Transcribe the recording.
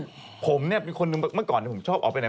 ไม่ว่าดีนะผมเนี่ยมีคนหนึ่งเมื่อจ่อผมชอบออกไปไหน